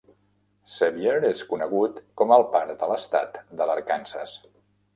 Sevier és conegut com el "Pare de l'Estat de l'Arkansas".